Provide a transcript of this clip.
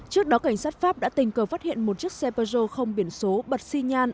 trước đó cảnh sát pháp đã tình cờ phát hiện một chiếc xe pezo không biển số bật xi nhan